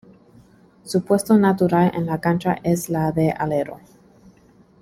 Su puesto natural en la cancha es la de alero.